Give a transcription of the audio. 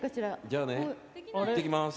じゃあね行ってきます！